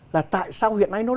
là tại sao hiện nay nó lộn